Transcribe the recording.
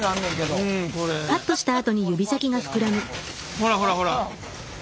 ほらほらほら！